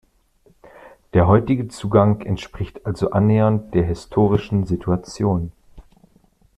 Der heutige Zugang entspricht also annähernd der historischen Situation.